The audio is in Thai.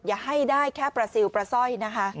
อย่าให้ได้แค่ประซิลประส่อย